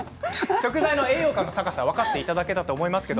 食材の栄養価の高さは分かったと思います。